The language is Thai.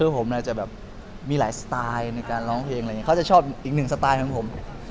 ผมน่าจะมีหลายสไตล์ในการร้องเพลงเขาจะชอบอีกหนึ่งสไตล์แบบผม